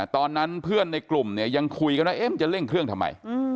ตอนนั้นเพื่อนในกลุ่มเนี่ยยังคุยกันว่ามันจะเร่งเครื่องทำไม